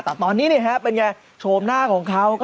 แต่ว่าตอนนี้เป็นอย่างไรโฉมหน้าของเขาก็หอย